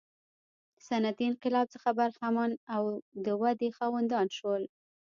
صنعتي انقلاب څخه برخمن او د ودې خاوندان شول.